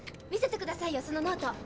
見せてくださいよそのノート。